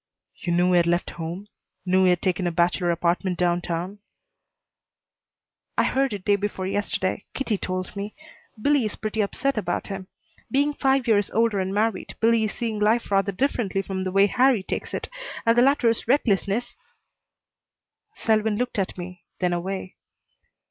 "You knew he had left home? Knew he had taken a bachelor apartment downtown?" "I heard it day before yesterday. Kitty told me. Billie is pretty upset about him. Being five years older and married, Billie is seeing life rather differently from the way Harrie takes it, and the latter's recklessness " Selwyn looked at me, then away.